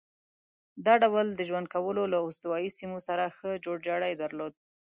دا ډول د ژوند کولو له استوایي سیمو سره ښه جوړ جاړی درلود.